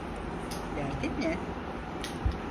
Derdin ne?